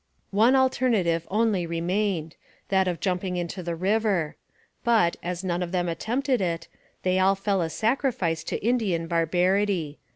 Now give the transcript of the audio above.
One alternative only remained, that of jumping into the river; but, as none of them attempted it, they all fell a sacrifice to Indian barbarity.